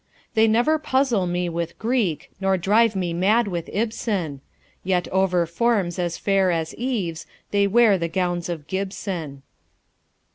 They never puzzle me with Greek, Nor drive me mad with Ibsen; Yet over forms as fair as Eve's They wear the gowns of Gibson.